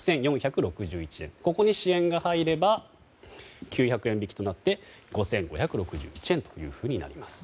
ここに支援が入れば９００円引きとなって５５６１円となります。